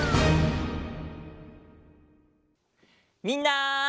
みんな！